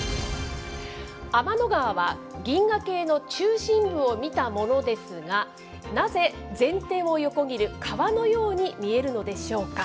天の川は銀河系の中心部を見たものですが、なぜ全天を横切る川のように見えるのでしょうか。